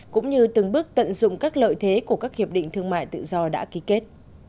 cũng như từng bước tận dụng các lợi thế của các hiệp định thương mại tự do đã ký kết